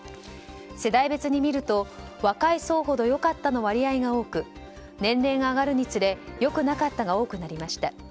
世代別に見ると若い層ほど良かったの割合が多く年齢が上がるにつれ良くなかったが多くなりました。